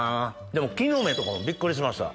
でも木の芽とかもビックリしました。